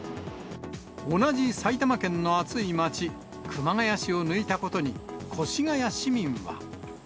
同じ埼玉県の暑い街、熊谷市を抜いたことに、越谷市民は。